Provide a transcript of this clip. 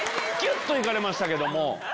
っといかれましたけども。